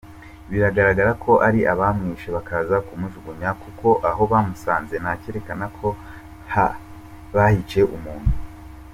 Biragaragara ko ari abamwishe bakaza kumuhajugunya kuko aho bamusanze nta cyerekana ko bahiciye umuntu.